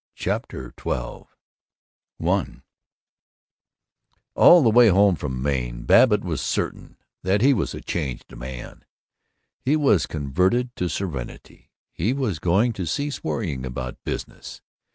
CHAPTER XII I All the way home from Maine, Babbitt was certain that he was a changed man. He was converted to serenity. He was going to cease worrying about business.